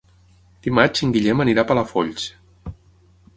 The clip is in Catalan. Dimarts en Guillem anirà a Palafolls.